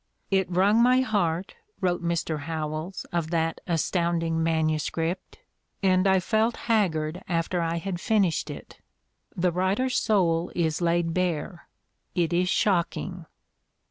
"It wrung my heart," wrote Mr. Howells of that astounding manuscript, "and I felt haggard after I had finished it. The writer's soul is laid bare; it is shocking."